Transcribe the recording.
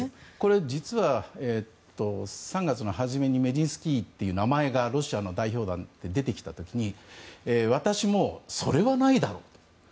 実は、３月の初めにメジンスキーという名前がロシアの代表団で出てきた時に私もそれはないだろうと。